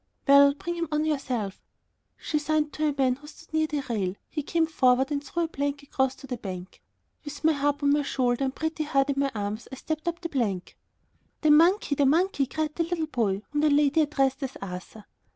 "Well, bring him on yourself." She signed to a man who stood near the rail. He came forward and threw a plank across to the bank. With my harp on my shoulder and Pretty Heart in my arms I stepped up the plank. "The monkey! the monkey!" cried the little boy, whom the lady addressed as Arthur.